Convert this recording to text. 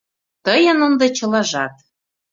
Тыйын ынде чылажат.